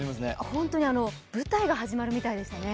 ホントに舞台が始まるみたいでしたね。